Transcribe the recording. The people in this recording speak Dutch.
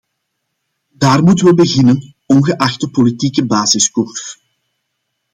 Daar moeten we beginnen, ongeacht de politieke basiskoers.